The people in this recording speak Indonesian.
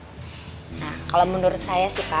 nah kalau menurut saya